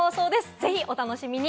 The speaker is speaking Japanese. ぜひお楽しみに！